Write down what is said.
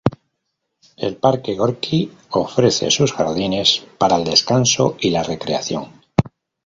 El parque Gorki ofrece sus jardines para el descanso y la recreación.